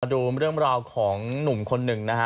ดูเรื่องราวของหนุ่มคนหนึ่งนะฮะ